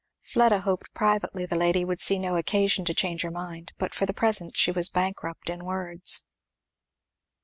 Fleda hoped privately the lady would see no occasion to change her mind; but for the present she was bankrupt in words.